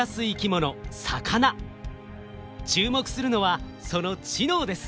注目するのはその知能です。